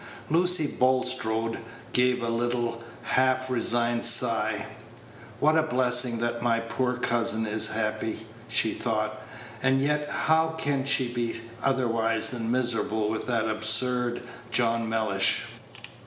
Lucy Bulstrode gave a little half resigned sigh. "What a blessing that my poor cousin is happy," she thought; "and yet how can she be otherwise than miserable with that absurd John Mellish?"